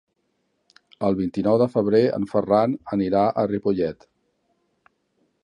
El vint-i-nou de febrer en Ferran anirà a Ripollet.